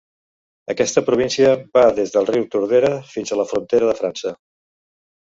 Aquesta província va des del riu Tordera fins a la frontera de França.